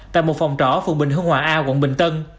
tại một phòng trỏ phường bình hương hòa a quận bình tân